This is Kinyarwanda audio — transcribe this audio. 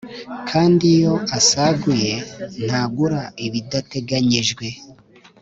kandi iyo asaguye ntagura ibidateganyijwe